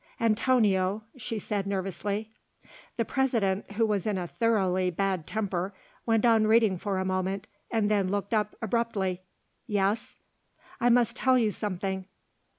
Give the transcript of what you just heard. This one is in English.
"Antonio," she said nervously. The President, who was in a thoroughly bad temper, went on reading for a moment and then looked up abruptly. "Yes?" "I must tell you something."